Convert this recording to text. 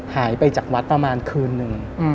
หายไปจากวัดประมาณคืนหนึ่ง